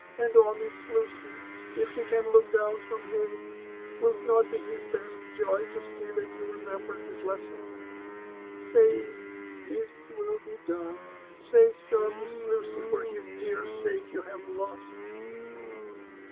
And oh. Miss Lucy! if he can look down front heavdn, will it not be his best joy to see that you remember his lessons ? ^Say, His will be done !— say so, Miss Lucy, for his dear sake you have lost